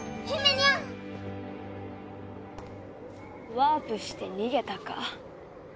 ワープして逃げたか。